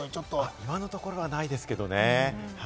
今のところないですけどね。